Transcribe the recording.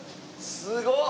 すごっ！